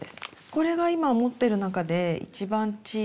これが今持ってる中で一番小さいです。